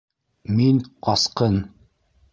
Мин - ҡасҡын.